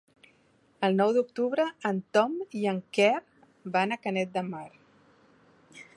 El nou d'octubre en Tom i en Quer van a Canet de Mar.